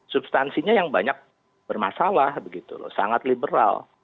substansinya yang banyak bermasalah sangat liberal